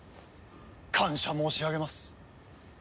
感謝申し上げます。